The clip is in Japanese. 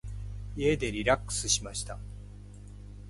家でリラックスしました。